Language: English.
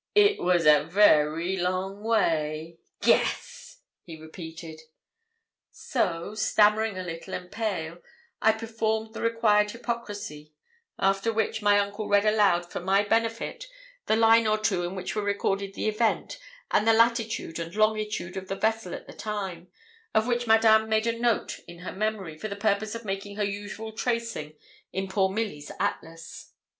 'It was a very long way. Guess!' he repeated. So, stammering a little and pale, I performed the required hypocrisy, after which my uncle read aloud for my benefit the line or two in which were recorded the event, and the latitude and longitude of the vessel at the time, of which Madame made a note in her memory, for the purpose of making her usual tracing in poor Milly's Atlas.